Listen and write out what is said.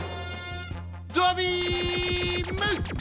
ドアビーム！